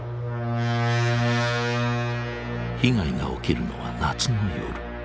被害が起きるのは夏の夜。